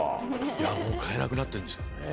いやもう買えなくなってんですよ。